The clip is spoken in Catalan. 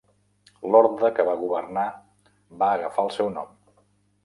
L'Horda que va governar va agafar el seu nom.